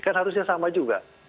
kan harusnya sama juga